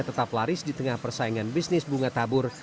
tetap laris di tengah persaingan bisnis bunga tabur